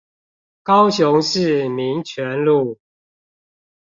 高雄市民權路